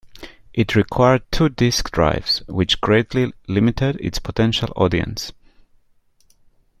It required two disk drives, which greatly limited its potential audience.